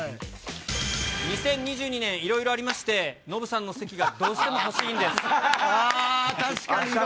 ２０２２年、いろいろありまして、ノブさんの席がどうしても欲しいあー、確かに。